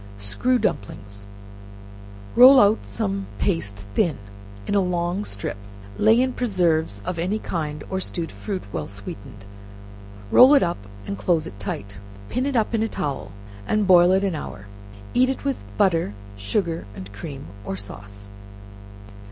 Screw Dumplings. Roll out some paste thin, in a long strip, lay in preserves of any kind, or stewed fruit, well sweetened, roll it up and close it tight, pin it up in a towel, and boil it an hour, eat it with butter, sugar and cream, or sauce.